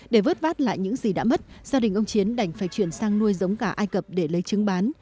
để vớt vát lại những gì đã mất gia đình ông chiến đành phải chuyển sang nuôi giống cả ai cập để lấy chứng bán